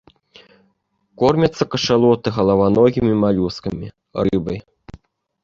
Кормяцца кашалоты галаваногімі малюскамі, рыбай.